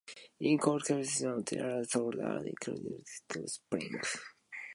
In conclusion, there are so many reasons why I love spring.